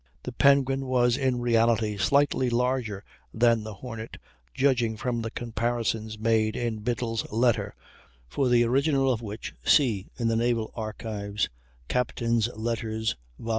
The Penguin was in reality slightly larger than the Hornet, judging from the comparisons made in Biddle's letter (for the original of which see in the Naval Archives, "Captains' Letters," vol.